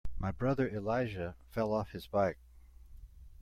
My brother Elijah fell off his bike.